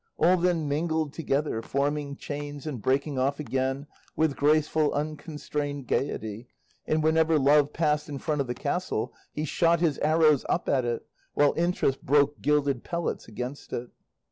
All then mingled together, forming chains and breaking off again with graceful, unconstrained gaiety; and whenever Love passed in front of the castle he shot his arrows up at it, while Interest broke gilded pellets against it.